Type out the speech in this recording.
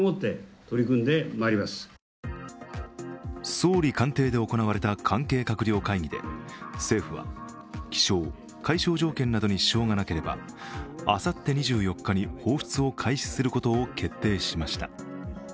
総理官邸で行われた関係閣僚会議で政府は気象・海象条件などに支障がなければあさって２４日に放出を開始することを決定しました。